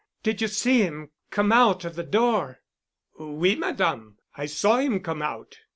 Did you see him come out of the door?" "Oui, Madame. I saw him come out."